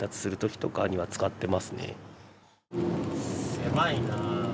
狭いな。